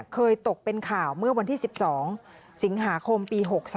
เคยตกเป็นข่าวเมื่อวันที่๑๒สิงหาคมปี๖๓